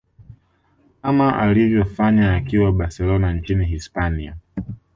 kama alivyofanya akiwa barcelona nchini hispania